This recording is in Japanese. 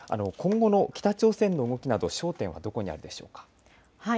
今後の北朝鮮の動きなど、焦点はどこにあるでしょうか。